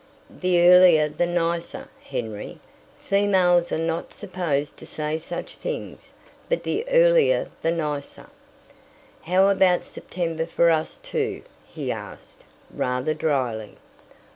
"The earlier the nicer, Henry. Females are not supposed to say such things, but the earlier the nicer." "How about September for us too?" he asked, rather dryly.